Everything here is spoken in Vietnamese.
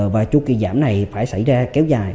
và chu kỳ giảm này phải xảy ra kéo dài